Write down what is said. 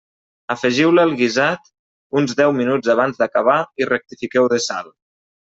Afegiu-la al guisat uns deu minuts abans d'acabar i rectifiqueu de sal.